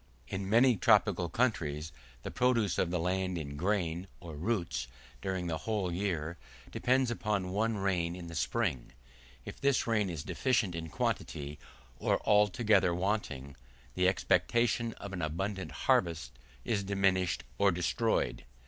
In many tropical countries the produce of the land in grain or roots, during the whole year, depends upon one rain in the spring. If this rain is deficient in quantity, or altogether wanting, the expectation of an abundant harvest is diminished or destroyed.